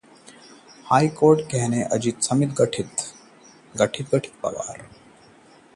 high court के कहने पर अजित पवार के खिलाफ जांच समिति गठित